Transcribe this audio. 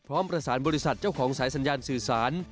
ประสานบริษัทเจ้าของสายสัญญาณสื่อสาร